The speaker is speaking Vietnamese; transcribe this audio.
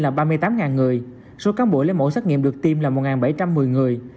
các bộ trực tiếp tiêm vaccine là ba mươi tám người số cán bộ lấy mẫu xét nghiệm được tiêm là một bảy trăm một mươi người